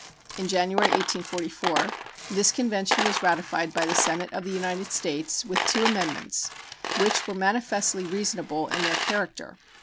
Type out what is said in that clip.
In January, 1844, this convention was ratified by the Senate of the United States with two amendments, which were manifestly reasonable in their character.